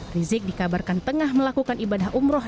rizik dikabarkan tengah melakukan ibadah umroh